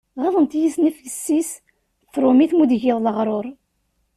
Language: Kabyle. Ɣaḍent-iyi snat yessi-s, d trumit mu d-giḍ leɣrur.